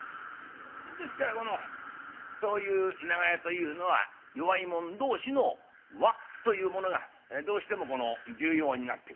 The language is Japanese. ですからこのそういう長屋というのは弱い者同士の輪というものがどうしても重要になってくる。